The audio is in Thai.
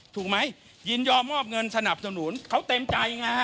ถูกไหมยินยอมมอบเงินสนับสนุนเขาเต็มใจไง